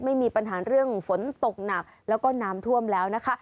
ไม่มีปัญหาเรื่องฝนตกหนักแล้วก็น้ำท่วมแล้วนะคะ